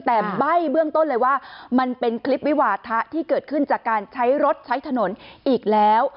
แต่ใบ้เบื้องต้นเลยว่ามันเป็นคลิปวิวาทะที่เกิดขึ้นจากการใช้รถใช้ถนนอีกแล้ว